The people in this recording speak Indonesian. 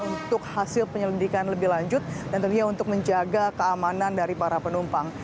untuk hasil penyelidikan lebih lanjut dan tentunya untuk menjaga keamanan dari para penumpang